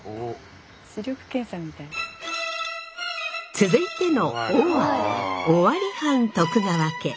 続いての「尾」は尾張藩徳川家。